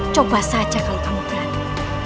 coba saja kalau kamu berani